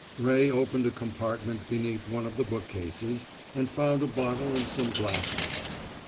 Ray opened a compartment beneath one of the bookcases, and found a bottle and some glasses.